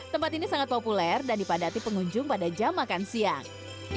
tempat ini sangat populer dan dipadati pengunjung pada jam makan siang